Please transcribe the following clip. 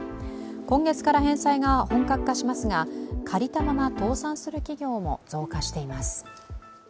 今月から返済が本格化しますが借りたまま倒産する企業も増加しています。